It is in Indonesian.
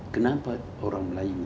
kenapa orang melayu